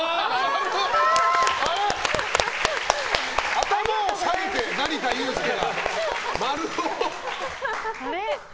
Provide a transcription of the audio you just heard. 頭を下げて、成田悠輔が○を。